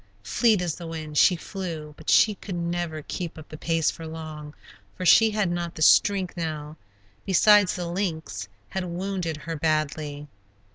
Fleet as the wind she flew but she could never keep up the pace for long, for she had not the strength now; besides, the lynx had wounded her badly.